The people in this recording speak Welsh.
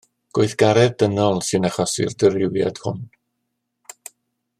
Gweithgaredd dynol sy'n achosi'r dirywiad hwn.